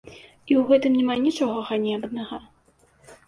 І ў гэтым няма нічога ганебнага.